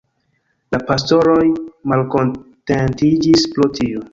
La pastoroj malkontentiĝis pro tio.